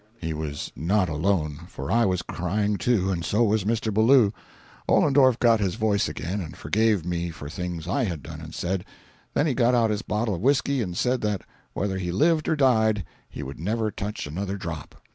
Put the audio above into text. He was not alone, for I was crying too, and so was Mr. Ballou. Ollendorff got his voice again and forgave me for things I had done and said. Then he got out his bottle of whisky and said that whether he lived or died he would never touch another drop.